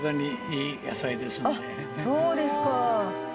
あそうですか。